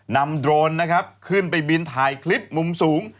นำโดรนขึ้นไปบินถ่ายคลิปมุมสูง